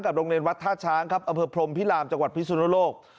โรงเรียนวัดท่าช้างครับอำเภอพรมพิรามจังหวัดพิสุนโลก